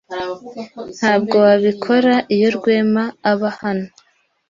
Ntabwo wabikora iyo Rwema aba hano.